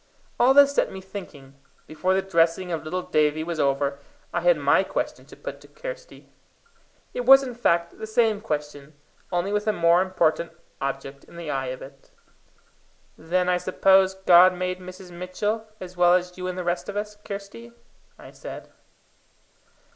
All this set me thinking. Before the dressing of little Davie was over, I had my question to put to Kirsty. It was, in fact, the same question, only with a more important object in the eye of it. "Then I suppose God made Mrs. Mitchell, as well as you and the rest of us, Kirsty?" I said.